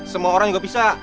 semua orang juga bisa